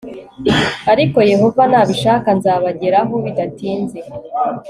ariko yehova nabishaka nzabageraho bidatinze